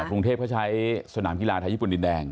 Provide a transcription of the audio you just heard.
กรุงเทพเขาใช้สนามกีฬาไทยญี่ปุ่นดินแดง